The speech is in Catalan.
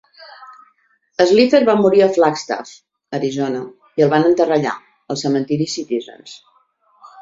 Slipher va morir a Flagstaff (Arizona) i el van enterrar allà, al cementiri Citizens.